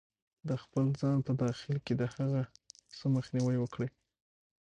-د خپل ځان په داخل کې د هغه څه مخنیوی وکړئ